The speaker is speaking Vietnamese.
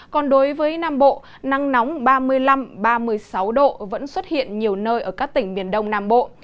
còn đối với nam bộ nắng nóng ba mươi năm ba mươi sáu độ vẫn xuất hiện nhiều nơi ở các tỉnh miền đông nam bộ